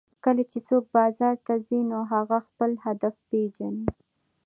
کله چې څوک بازار ته ځي نو هغه خپل هدف پېژني